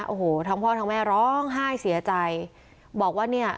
โอ้โหทั้งพ่อทั้งแม่ร้องไห้เสียใจบอกว่าเนี่ย